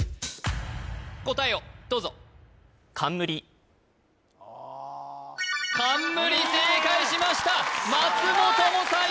答えをどうぞ・ああ冠正解しましたすごい！